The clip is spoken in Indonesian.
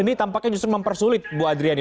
ini tampaknya justru mempersulit bu adriani